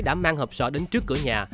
đã mang hợp sọ đến trước cửa nhà